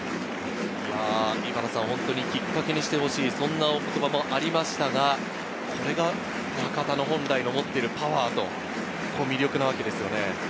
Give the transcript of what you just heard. きっかけにしてほしい、そんな言葉がありましたが、これが中田の本来の持っているパワー、魅力なわけですね。